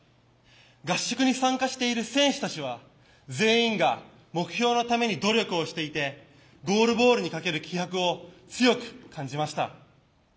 合宿に参加している選手たちは全員が目標のために努力をしていてゴールボールにかける気迫を強く感じました。